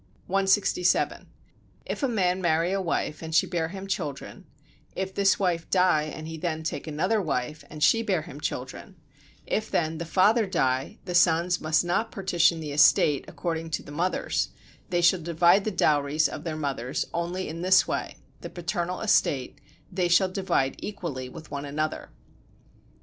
167. If a man marry a wife and she bear him children: if this wife die and he then take another wife and she bear him children: if then the father die, the sons must not partition the estate according to the mothers, they shall divide the dowries of their mothers only in this way; the paternal estate they shall divide equally with one another.